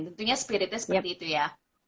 tentunya spiritnya seperti itu ya